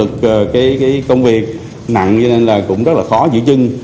cái công việc nặng cho nên là cũng rất là khó giữ chân